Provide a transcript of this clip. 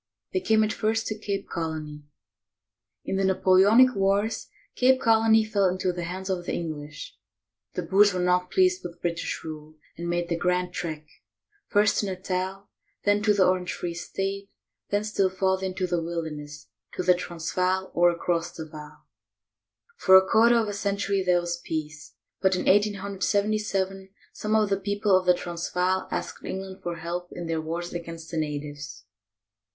They came at first to Cape Colony. In the Napoleonic wars, Cape Colony fell into the hands of the English. The Boers were not pleased with British rule and made the "Grand Trek," first to Natal, then to the Orange Free State, then still farther into the wilderness, to the Transvaal, or across the Vaal. For a quarter of a century there was peace; but in 1877 some of the people of the Transvaal asked England for help in their wars against the natives.